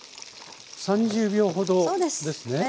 ３０秒ほどですね。